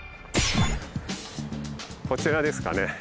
こちらですかね。